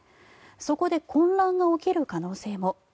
そこで混乱が起きる可能性も。